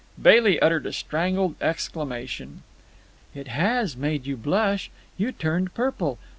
Bailey uttered a strangled exclamation. "It has made you blush! You turned purple.